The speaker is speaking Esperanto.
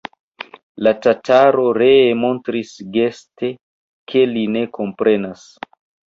La tataro ree montris geste, ke li ne komprenas.